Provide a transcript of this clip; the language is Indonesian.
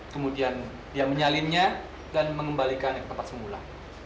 kemudian dia menyalimnya dan mengembalikan ke tempat semula